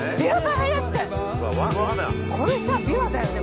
これさびわだよね。